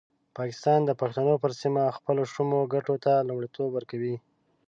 پاکستان د پښتنو پر سیمه خپلو شومو ګټو ته لومړیتوب ورکوي.